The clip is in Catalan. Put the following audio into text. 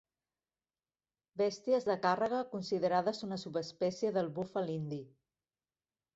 Bèsties de càrrega considerades una subespècie del búfal indi.